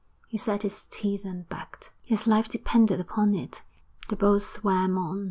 He set his teeth and backed; his life depended upon it. The boat swam on.